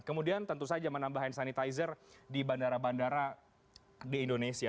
kemudian tentu saja menambah hand sanitizer di bandara bandara di indonesia